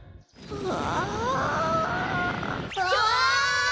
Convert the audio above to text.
うわ！